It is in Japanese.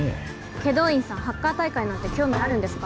祁答院さんハッカー大会なんて興味あるんですか？